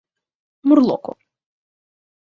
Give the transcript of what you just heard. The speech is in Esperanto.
Murloko.